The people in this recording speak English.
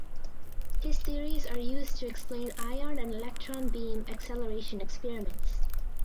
His theories are used to explain ion and electron beam acceleration experiments.